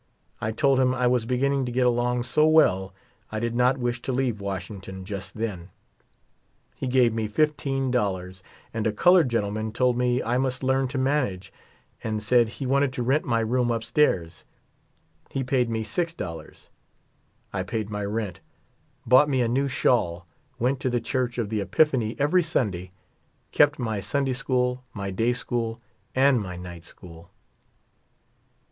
I told him I was beginning to get along so well I did not wish to leave Washington just then. He gave me $15. And a colored gentleman told me I must learn to manage, and said he wanted to rent my room up stairs. He paid me $6. I paid my rent ; bought 28 lue a new shawl : went to the Church of the Epiphany ever}^ Sunda}^ ; kept my Sunday school, my da}' school, and my night school.